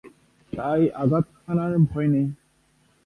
তাই আঘাত হানার ভয় নেই।